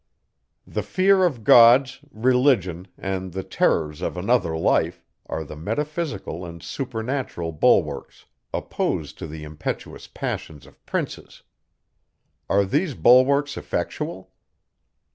The fear of gods, Religion, and the terrors of another life, are the metaphysical and supernatural bulwarks, opposed to the impetuous passions of princes! Are these bulwarks effectual?